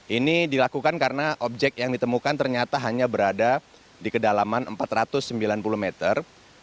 ini dilakukan karena objek yang ditemukan ternyata hanya berada di kedalaman empat ratus sembilan puluh meter